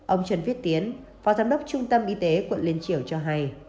ông trần viết tiến phó giám đốc trung tâm y tế quận liên triều cho hay